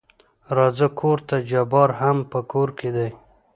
راځه کورته جبار هم په کور کې دى.